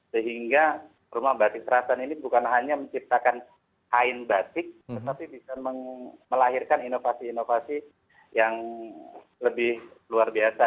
sehingga rumah batik terasan ini bukan hanya menciptakan kain batik tetapi bisa melahirkan inovasi inovasi yang lebih luar biasa